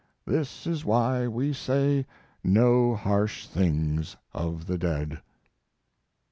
This is why we say no harsh things of the dead."